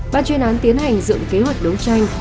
ban chuyên án tiến hành dựng kế hoạch đấu tranh